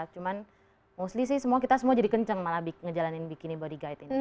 cuman mostly sih kita semua jadi kenceng malah ngejalanin bikini body guide ini